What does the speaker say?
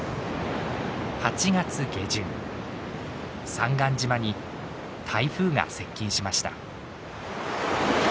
三貫島に台風が接近しました。